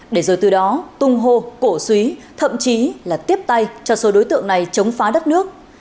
để rồi từ đó tung hô cổ suý thậm chí là tiếp tay cho số đối tượng này chống phá đất nước